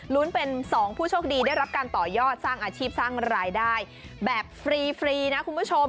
เป็น๒ผู้โชคดีได้รับการต่อยอดสร้างอาชีพสร้างรายได้แบบฟรีนะคุณผู้ชม